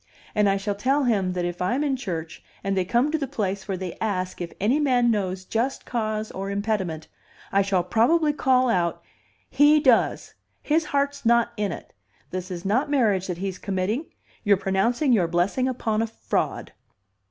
And I shall tell him that if I'm in church and they come to the place where they ask if any man knows just cause or impediment, I shall probably call out, 'He does! His heart's not in it. This is not marriage that he's committing. You're pronouncing your blessing upon a fraud.